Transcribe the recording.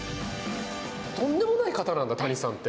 とんでもない方なんだ谷さんって。